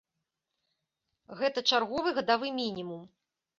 Гэта чарговы гадавы мінімум.